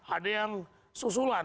ada yang susulan